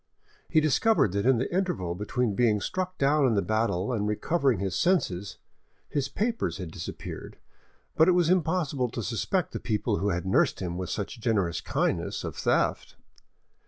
He discovered that in the interval between being struck down in the battle and recovering his senses, his papers had disappeared, but it was impossible to suspect the people who had nursed him with such generous kindness of theft.